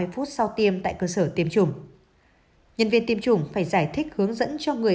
một mươi phút sau tiêm tại cơ sở tiêm chủng nhân viên tiêm chủng phải giải thích hướng dẫn cho người